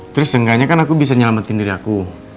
terus seenggaknya kan aku bisa nyelamatin diri aku